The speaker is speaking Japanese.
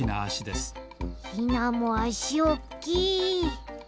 ヒナもあしおっきい！